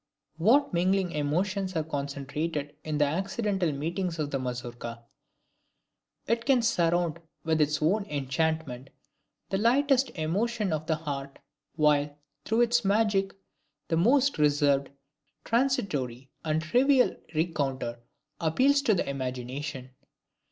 What mingling emotions are concentrated in the accidental meetings of the Mazourka! It can surround, with its own enchantment, the lightest emotion of the heart, while, through its magic, the most reserved, transitory, and trivial rencounter appeals to the imagination.